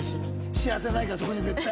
幸せはないからそこに絶対。